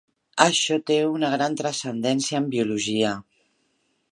Això té una gran transcendència en biologia.